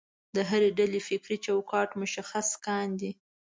د هرې ډلې فکري چوکاټ مشخص کاندي.